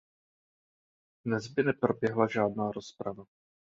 Dnes by neproběhla žádná rozprava.